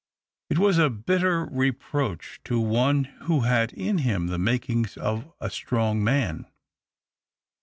It was a bitter reproach to one who had in him the makings of a strong man.